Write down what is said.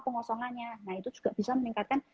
pengosongannya nah itu juga bisa meningkatkan